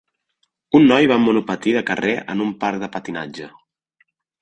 Un noi va amb monopatí de carrer en un parc de patinatge.